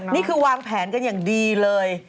นี่คือวางแผนกันอย่างดีเลย